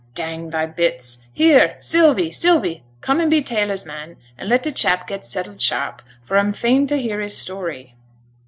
'Dang thy bits! Here, Sylvie! Sylvie! come and be tailor's man, and let t' chap get settled sharp, for a'm fain t' hear his story.'